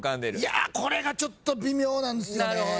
いやこれがちょっと微妙なんすよね。